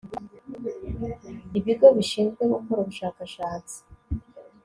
ibigo bishinzwe gukora ubushakashatsi